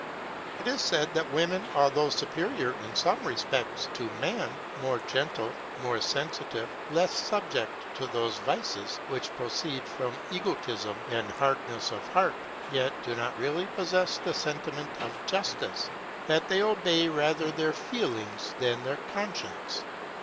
It is said that women, although superior in some respects to man more gentle, more sensitive, less subject to those vices which proceed from egotism and hardness of heart yet do not really possess the sentiment of justice; that they obey rather their feelings than their conscience.